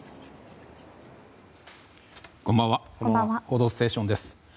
「報道ステーション」です。